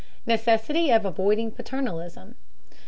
NECESSITY OF AVOIDING PATERNALISM.